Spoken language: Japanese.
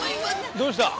どうした？